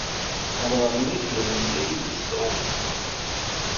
Amɣar-nni yemmeslay yid-i s tṛumit.